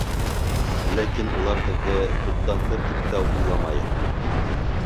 Ләкин улар һеҙҙе туҡтатыр тип тә уйламайым.